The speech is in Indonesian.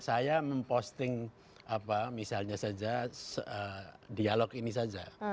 saya memposting misalnya saja dialog ini saja